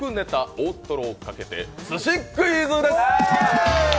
大とろをかけてすしクイズです！